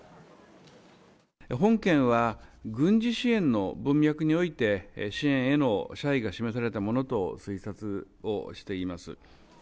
本件は、軍事支援の文脈において、支援への謝意が示されたものと推察をしています。